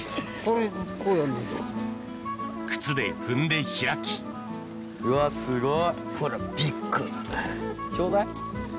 靴で踏んで開きうわすごい。